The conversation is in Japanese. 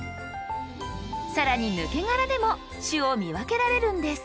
更にぬけ殻でも種を見分けられるんです。